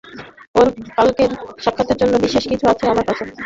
ওর কালকের সাক্ষাতের জন্য বিশেষ কিছু আছে আমার কাছে।